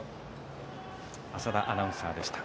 浅田アナウンサーでした。